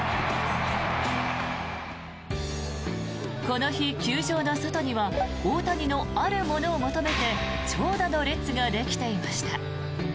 この日、球場の外には大谷のあるものを求めて長蛇の列ができていました。